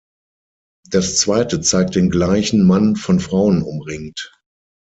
Das zweite zeigt den gleichen Mann von Frauen umringt.